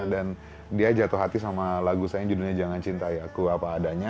dan dia jatuh hati sama lagu saya yang judulnya jangan cintai aku apa adanya